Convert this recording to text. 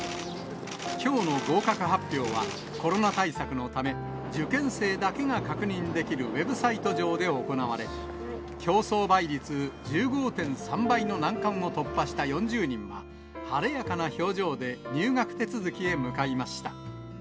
きょうの合格発表は、コロナ対策のため、受験生だけが確認できるウェブサイト上で行われ、競争倍率１５．３倍の難関を突破した４０人は、晴れやかな表情で入学手続きへ向かいました。